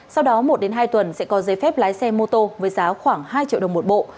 sau đó một hai tuần sẽ có giấy phép lái xe mô tô với giá khoảng hai triệu đồng một bộ